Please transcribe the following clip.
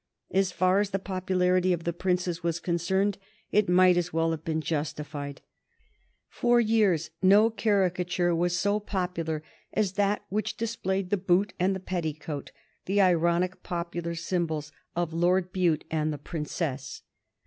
As far as the popularity of the Princess was concerned it might as well have been justified. For years no caricature was so popular as that which displayed the Boot and the Petticoat, the ironic popular symbols of Lord Bute and the Princess.